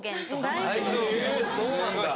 へぇそうなんだ！